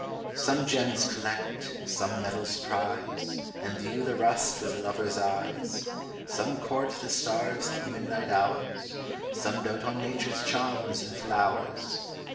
Some gems collect; some medals prize, And view the rust with lover's eyes; Some court the stars at midnight hours; Some dote on Nature's charms in flowers!